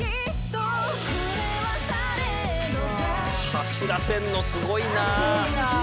走らせんのすごいなあ。